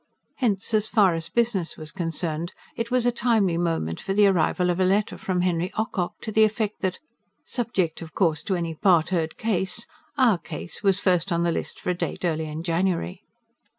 Hence, as far as business was concerned, it was a timely moment for the arrival of a letter from Henry Ocock, to the effect that, "subject of course to any part heard case," "our case" was first on the list for a date early in January.